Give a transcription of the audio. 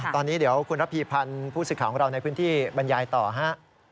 ตอนนี้เดี๋ยวคุณระพีพันธ์ผู้สื่อข่าวของเราในพื้นที่บรรยายต่อฮะ